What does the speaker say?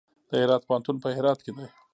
د هرات پوهنتون په هرات کې دی